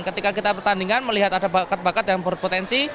ketika kita pertandingan melihat ada bakat bakat yang berpotensi